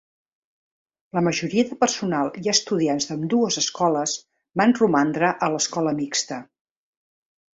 La majoria de personal i estudiants d'ambdues escoles van romandre a l'escola mixta.